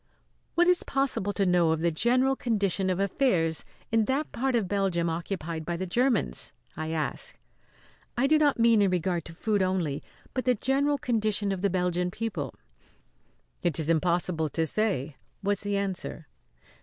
"What is possible to know of the general condition of affairs in that part of Belgium occupied by the Germans?" I asked. "I do not mean in regard to food only, but the general condition of the Belgian people." "It is impossible to say," was the answer.